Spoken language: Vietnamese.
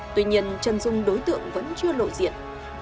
tuy nhiên chân dung đối tượng vẫn chưa lộ diện